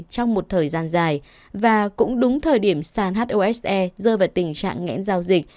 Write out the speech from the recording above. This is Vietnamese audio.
trong một thời gian dài và cũng đúng thời điểm sàn hlse rơi vào tình trạng ngãn giao dịch